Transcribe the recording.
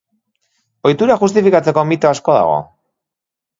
Ohitura justifikatzeko mito asko dago.